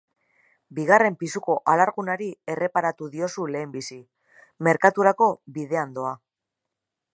Bigarren pisuko alargunari erreparatu diozu lehenbizi, merkaturako bidean doa.